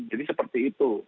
jadi seperti itu